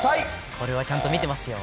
これはちゃんと見てますよ。